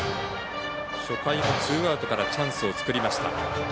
初回もツーアウトからチャンスを作りました。